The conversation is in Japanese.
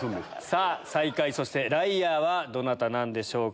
さぁ最下位そしてライアーはどなたなんでしょうか？